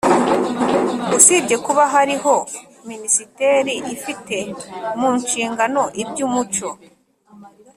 usibye kuba hariho minisiteri ifite mu nshingano iby’umuco